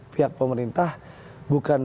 pihak pemerintah bukan